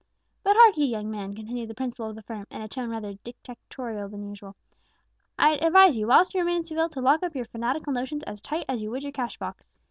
"But hark'ee, young man," continued the principal of the firm, in a tone rather more dictatorial than usual, "I'd advise you, whilst you remain in Seville, to lock up your fanatical notions as tight as you would your cash box.